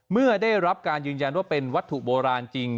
เมื่อได้รับการยืนยันว่าเป็นวัตถุโบราณจริง